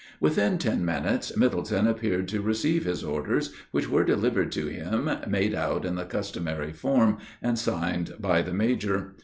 Within ten minutes Middleton appeared to receive his orders, which were delivered to him, made out in the customary form, and signed by the major.